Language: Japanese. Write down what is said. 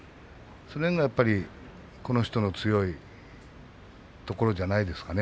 その辺が、この人の強いところじゃないですかね。